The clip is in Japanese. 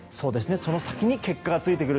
その先に結果がついてくる。